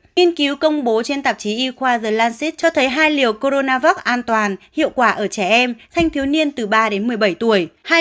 nhiên cứu công bố trên tạp chí e quad the lancet cho thấy hai liều coronavac an toàn hiệu quả ở trẻ em thanh thiếu niên từ ba đến một mươi bảy tuổi